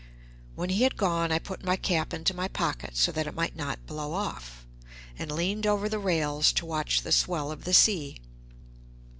When he had gone I put my cap into my pocket, so that it might not blow off, and leaned over the rails to watch the swell of the sea.